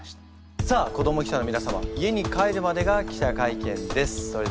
さあ子ども記者の皆様家に帰るまでが記者会見です。